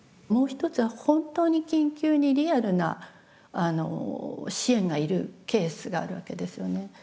もう一つは本当に緊急にリアルな支援がいるケースがあるわけですよね。